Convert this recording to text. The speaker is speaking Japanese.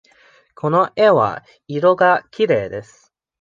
この絵は色がきれいです。